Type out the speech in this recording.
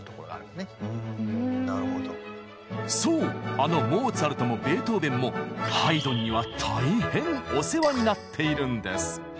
あのモーツァルトもベートーベンもハイドンには大変お世話になっているんです。